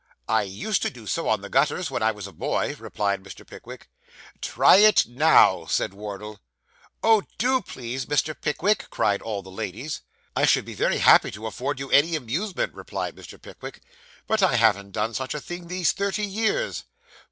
'I used to do so, on the gutters, when I was a boy,' replied Mr. Pickwick. 'Try it now,' said Wardle. 'Oh, do, please, Mr. Pickwick!' cried all the ladies. 'I should be very happy to afford you any amusement,' replied Mr. Pickwick, 'but I haven't done such a thing these thirty years.